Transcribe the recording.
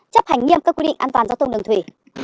chấp hành nghiêm các quy định an toàn giao thông đường thủy